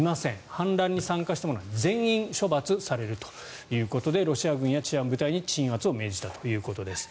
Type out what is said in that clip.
反乱に参加した者は全員処罰されるということでロシア軍や治安部隊に鎮圧を命じたということです。